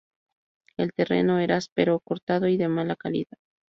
El terreno era áspero, cortado y de mala calidad.